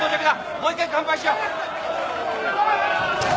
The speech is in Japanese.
もう一回乾杯しよう。